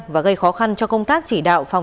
với thỏa thuận hưởng năm mươi